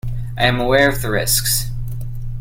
I am aware of the risks.